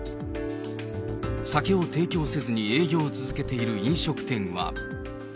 酒を提供せずに営業を続けている飲食店は。